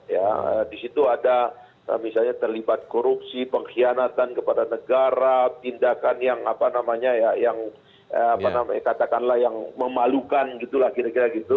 ya di situ ada misalnya terlibat korupsi pengkhianatan kepada negara tindakan yang apa namanya ya yang katakanlah yang memalukan gitu lah kira kira gitu